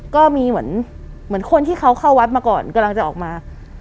ก็มีเหมือนคนที่เขาเข้าวัดมาก่อนกำลังจะออกมา